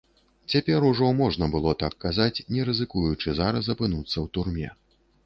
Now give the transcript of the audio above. Цяпер ужо можна было так казаць, не рызыкуючы зараз апынуцца ў турме.